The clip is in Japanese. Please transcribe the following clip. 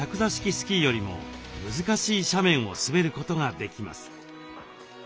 スキーよりも難しい斜面を滑ることができます。